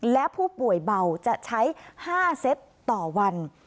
และผู้ป่วยเบาจะใช้๕เซตต่อวัน